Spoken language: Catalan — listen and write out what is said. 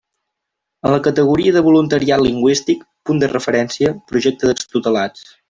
En la categoria de voluntariat lingüístic, Punt de Referència – Projecte d'extutelats.